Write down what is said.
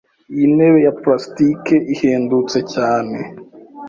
Iyi ntebe ya plastike ihendutse cyane.